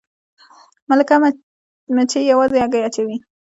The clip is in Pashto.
ملکه مچۍ یوازې هګۍ اچوي